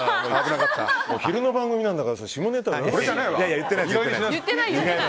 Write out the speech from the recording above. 昼の番組なんだから下ネタは。